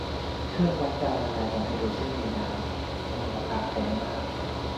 เครื่องวัดการละลายของไฮโดรเจนในน้ำ มีราคาแพงมาก